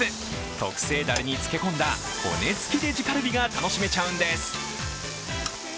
特製だれに漬け込んだ骨付きデジカルビが楽しめちゃうんです。